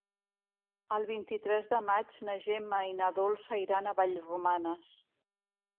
El vint-i-tres de maig na Gemma i na Dolça iran a Vallromanes.